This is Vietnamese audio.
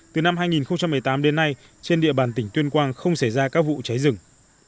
từ năm hai nghìn một mươi tám đến nay trên địa bàn tỉnh tuyên quang không xảy ra các vụ cháy rừng